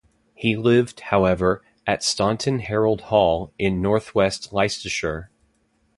He lived, however, at Staunton Harold Hall in northwest Leicestershire.